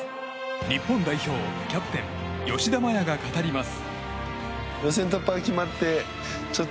日本代表キャプテン吉田麻也が語ります。